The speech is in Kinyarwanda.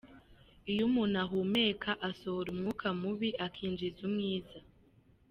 Iyo umuntu ahumeka asohora umwuka mubi, akinjiza umwiza.